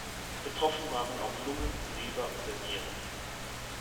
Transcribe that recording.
Betroffen waren auch Lungen, Leber oder Nieren.